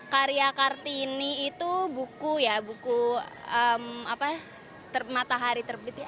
karya kartini itu buku ya buku apa matahari terbit